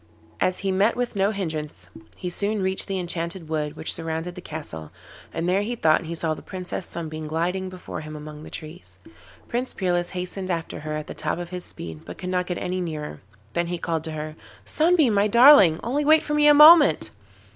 As he met with no hindrance, he soon reached the enchanted wood which surrounded the castle, and there he thought he saw the Princess Sunbeam gliding before him among the trees. Prince Peerless hastened after her at the top of his speed, but could not get any nearer; then he called to her: 'Sunbeam, my darling—only wait for me a moment.